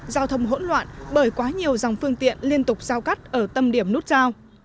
giao thông hỗn loạn bởi quá nhiều dòng phương tiện liên tục giao cắt ở tâm điểm nút giao